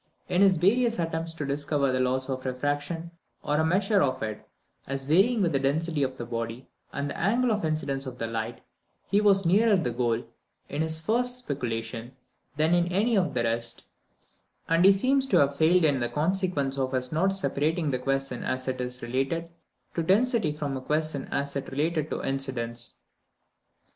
In his various attempts to discover the law of refraction, or a measure of it, as varying with the density of the body and the angle of incidence of the light, he was nearer the goal, in his first speculation, than in any of the rest; and he seems to have failed in consequence of his not separating the question as it related to density from the question as it related to incidence.